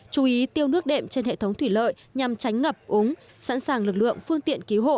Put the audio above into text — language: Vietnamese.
chú ý tiêu nước đệm trên hệ thống thủy lợi nhằm tránh ngập úng sẵn sàng lực lượng phương tiện cứu hộ